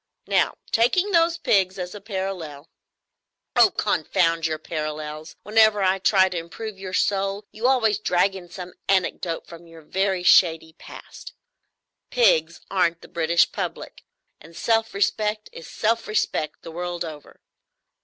Now, taking those pigs as a parallel——" "Oh, confound your parallels! Whenever I try to improve your soul, you always drag in some anecdote from your very shady past. Pigs aren't the British public; and self respect is self respect the world over.